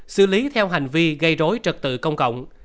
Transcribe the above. xử lý theo hành vi gây rối trật tự công cộng